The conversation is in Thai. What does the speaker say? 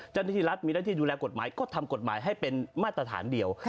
เจ้าหน้าที่รัฐมีหน้าที่ดูแลกฎหมายก็ทำกฎหมายให้เป็นมาตรฐานเดียว